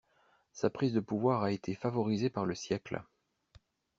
Sa prise de pouvoir a été favorisée par le siècle.